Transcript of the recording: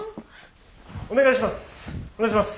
お願いします！